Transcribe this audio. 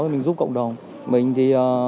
thì mình giúp cộng đồng mình thì